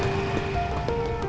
uya buka gerbang